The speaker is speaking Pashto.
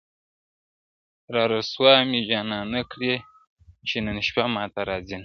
را رسوا مي جانان نه کړې چي نن شپه ماته راځینه-